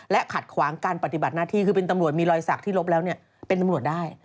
ขัดขวางการปฏิบัติหน้าที่คือเป็นตำรวจมีรอยสักที่ลบแล้วเป็นตำรวจได้